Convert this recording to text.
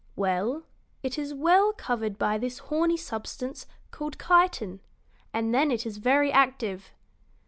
"Well, it is well covered by this horny substance called chitin, and then it is very active.